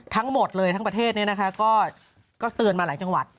ทั้งหมดเลยทั้งประเทศก็เตือนมาหลายจังหวัด